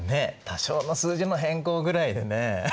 多少の数字の変更ぐらいでね